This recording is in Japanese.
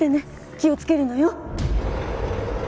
気をつけるのよ